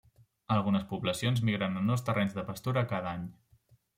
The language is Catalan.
Algunes poblacions migren a nous terrenys de pastura cada any.